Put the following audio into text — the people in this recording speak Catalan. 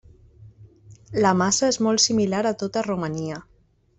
La massa és molt similar a tota Romania.